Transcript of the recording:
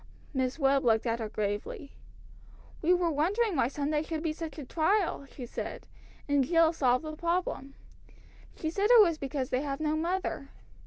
Miss Webb looked at her gravely. "We were wondering why Sundays should be such a trial," she said, "and Jill solved the problem. She said it was because they have no mother.